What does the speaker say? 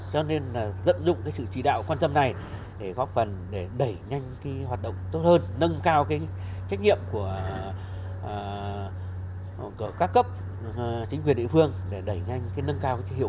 cho nên dẫn dụng sự chỉ đạo quan trọng